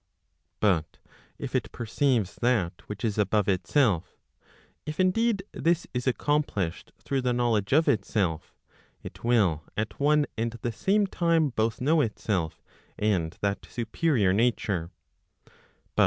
But if it perceives that which is above itself, if indeed, this is accom¬ plished through the knowledge of itself, it will at one and the same time both know itself and that superior nature.